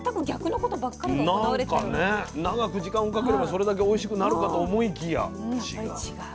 なんかね長く時間をかければそれだけおいしくなるかと思いきや違う。